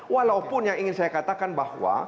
walaupun yang ingin saya katakan bahwa